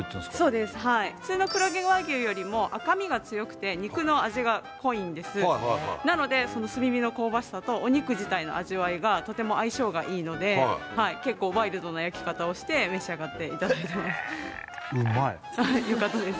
そうですはいふつうの黒毛和牛よりも赤身が強くて肉の味が濃いんですなので炭火の香ばしさとお肉自体の味わいがとても相性がいいのでをして召し上がっていただいてますよかったです